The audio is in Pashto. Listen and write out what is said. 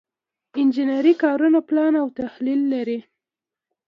انجنري کارونه پلان او تحلیل لري.